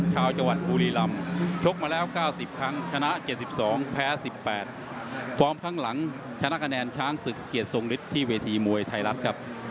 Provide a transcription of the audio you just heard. ไฟล์จะได้ความพลังแชมป์